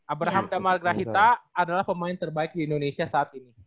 abraham dan magrahita adalah pemain terbaik di indonesia saat ini